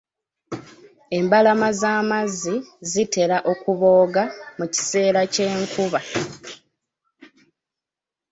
Embalama z'amazzi zitera okubooga mu kiseera ky'enkuba.